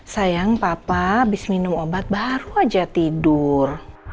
sayang papa habis minum obat baru aja tidur